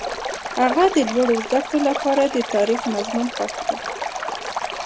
هغه د لوړو زده کړو لپاره د تاریخ مضمون خوښ کړ.